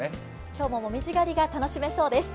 今日ももみじ狩りが楽しめそうです。